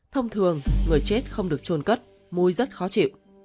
thông thường người chết không được trôn cất mùi rất khó chịu